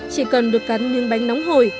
chỉ cần được cắn những bánh nóng hồi